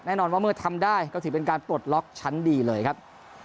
แน่นอนว่าเมื่อทำได้ก็ถือเป็นการปลดล็อกชั้นดีเลยครับ